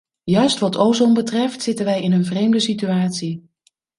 Juist wat ozon betreft, zitten wij in een vreemde situatie.